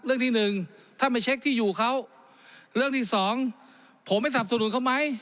ที่หนึ่งท่านไปเช็คที่อยู่เขาเรื่องที่สองผมไม่สนับสนุนเขาไหม